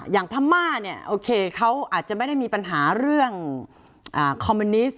อย่างพม่าเขาอาจจะไม่ได้มีปัญหาเรื่องคอมมูนิสต์